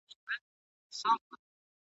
انا خپل کتاب په المارۍ کې کېښود.